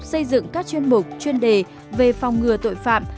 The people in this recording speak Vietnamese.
xây dựng các chuyên mục chuyên đề về phòng ngừa tội phạm